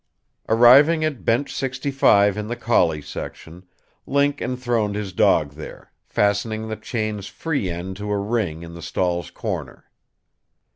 Arriving at Bench 65 in the collie section, Link enthroned his dog there, fastening the chain's free end to a ring in the stall's corner.